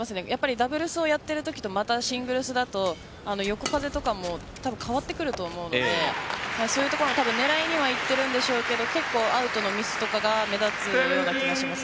ダブルスをやっているときとまたシングルスだと横風とかも変わってくると思うのでそういうところも狙いにはいっているんでしょうけど結構アウトのミスとかが目立つような気がします。